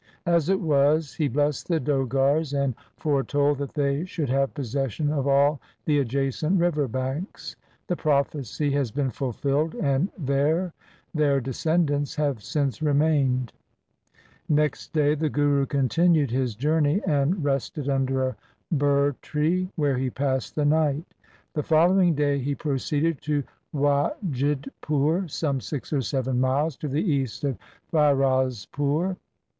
As it was, he blessed the Dogars and foretold that they should have possession of all the adjacent river banks. The prophecy has been fulfilled, and there their descendants have since remained. Next day the Guru continued his journey and rested under a ber tree, where he passed the night. The following day he proceeded to Wajidpur, some six or seven miles to the east of Firozpur.